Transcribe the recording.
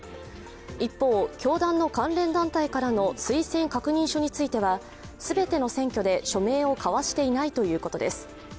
一方、教団の関連団体からの推薦確認書については、全ての選挙で署名を交わしていないということです。